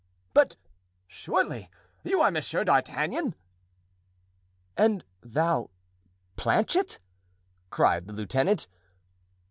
but surely you are Monsieur d'Artagnan?" "And thou—Planchet!" cried the lieutenant.